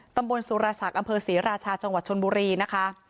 ตำบลสุรศักดิ์อำเภอศรีราชาจังหวัดชนบุรีนะคะ